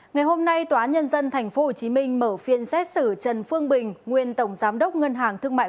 ngày hôm nay tòa nhân dân tp hcm mở phiên xét xử trần phương bình nguyên tổng giám đốc ngân hàng thương mại